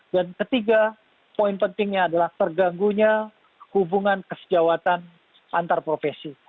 dan ketiga poin pentingnya adalah terganggunya hubungan kesejawatan antarprofesi